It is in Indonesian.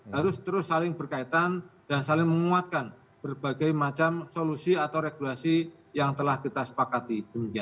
harus terus saling berkaitan dan saling menguatkan berbagai macam solusi atau regulasi yang telah kita sepakati